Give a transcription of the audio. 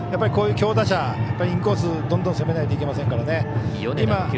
こういう強打者インコース、どんどん攻めないといけませんからね。